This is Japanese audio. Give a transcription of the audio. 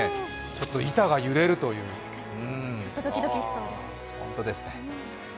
ちょっと板が揺れるというね。